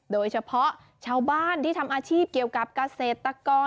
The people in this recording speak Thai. โดยเฉพาะชาวบ้านที่ทำอาชีพเกี่ยวกับเกษตรกร